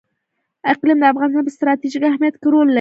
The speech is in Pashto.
اقلیم د افغانستان په ستراتیژیک اهمیت کې رول لري.